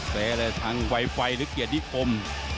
เซเลยทางไวไฟหรือเกียรติอม